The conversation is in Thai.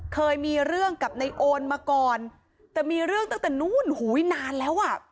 เคยมีเรื่องกับในโอนมาก่อนแต่มีเรื่องตั้งแต่นู้นหูยนานแล้วอ่ะ